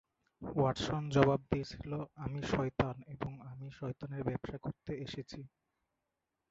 Watson জবাব দিয়েছিল, "আমি শয়তান, এবং আমি শয়তানের ব্যবসা করতে এসেছি।"